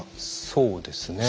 そうですね。